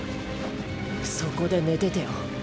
そこで寝ててよ。